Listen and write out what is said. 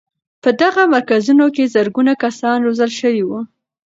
په دغو مرکزونو کې زرګونه کسان روزل شوي وو.